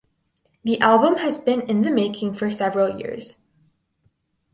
The album has been in the making for several years.